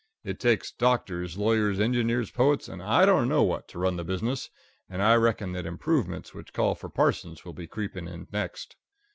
It takes doctors, lawyers, engineers, poets, and I don't know what, to run the business, and I reckon that improvements which call for parsons will be creeping in next.